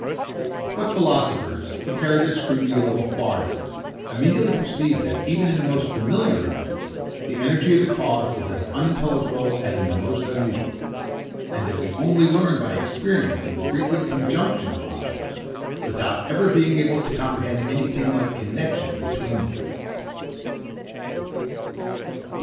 But philosophers, who carry their scrutiny a little farther, immediately perceive that, even in the most familiar events, the energy of the cause is as unintelligible as in the most unusual, and that we only learn by experience the frequent Conjunction of objects, without being ever able to comprehend anything like Connexion between them.